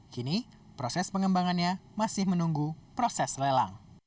kini proses pengembangannya masih menunggu proses lelang